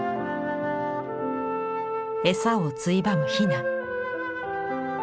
餌をついばむ雛。